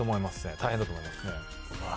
大変だと思います。